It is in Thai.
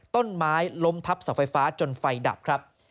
ต้นไม้ลมทับสะไฟฟ้าจนไฟดับ